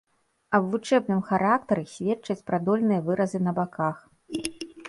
Аб вучэбным характары сведчаць прадольныя выразы на баках.